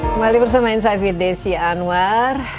kembali bersama insight with desi anwar